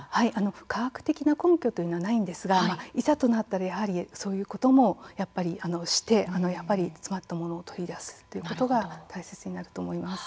科学的根拠はないんですがいざとなったらそういうことをして詰まったものを取り出すということが大切になると思います。